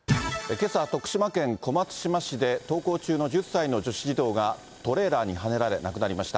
けさ、徳島県小松島市で、登校中の１０歳の女子児童が、トレーラーにはねられ、亡くなりました。